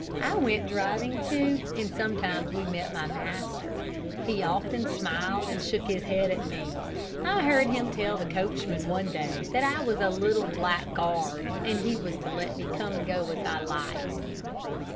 I went driving, too, and sometimes we met my master. He often smiled, and shook his head at me. I heard him tell the coachman one day that I was a little blackguard, and he was to let me come and go as I liked."